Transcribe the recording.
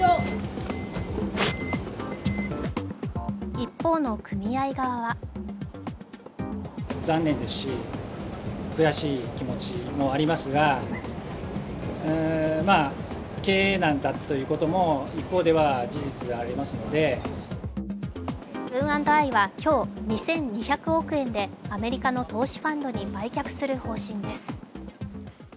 一方の組合側はセブン＆アイは今日、２２００億円でアメリカの投資ファンドに売却する方針です。